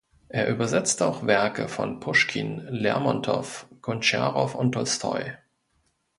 Er übersetzte auch Werke von Puschkin, Lermontow, Gontscharow und Tolstoi.